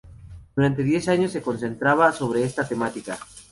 Durante diez años se concentra sobre esta temática.